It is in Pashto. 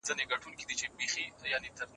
عیش او نوش د دولت د زوال سبب ګرځي.